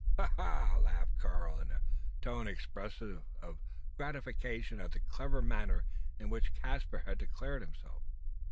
"Ha! ha! ha!" laughed Karl, in a tone expressive of gratification at the clever manner in which Caspar had declared himself.